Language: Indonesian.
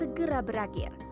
agar pandemi segera berakhir